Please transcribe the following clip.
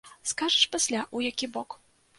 Скажаш пасля ў які бок.